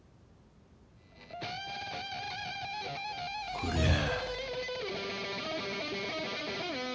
こりゃあ。